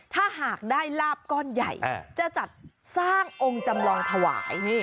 ถ้าหากได้ลาบก้อนใหญ่จะจัดสร้างองค์จำลองถวาย